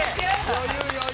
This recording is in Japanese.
余裕余裕。